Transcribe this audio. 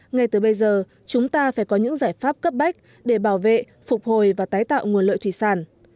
ngay từ bây giờ chúng ta phải có những giải pháp cấp bách để bảo vệ phục hồi và tái tạo nguồn lợi thủy sản